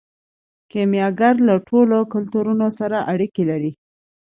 کیمیاګر له ټولو کلتورونو سره اړیکه لري.